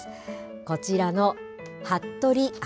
こちらの服部亜